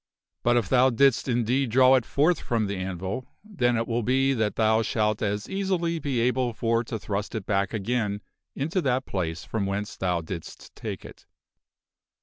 But if thou didst indeed draw it forth from the anvil, then it will be that thou shalt as easily be able for to thrust it back again into that place from whence thou didst take it."